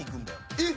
えっ？